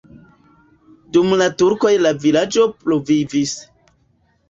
Dum la turkoj la vilaĝo pluvivis.